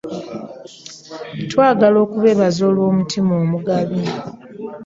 Twagala okubebaza olw'omutima omugabi.